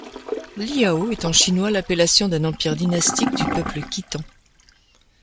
Liao est en chinois l'appellation d'un empire dynastique du peuple Khitan.